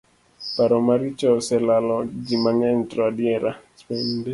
Paro maricho oselalo ji mang'eny to adiera.